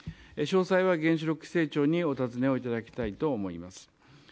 詳細は原子力規制庁にお尋ねをいただきたいと思います。